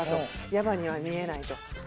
「ヤバ」には見えないと。